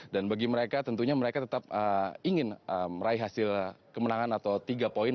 dan bagi mereka tentunya mereka tetap ingin meraih hasil kemenangan atau tiga poin